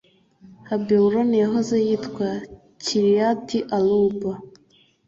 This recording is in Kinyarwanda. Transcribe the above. (Heburoni yahoze yitwa Kiriyati-Aruba),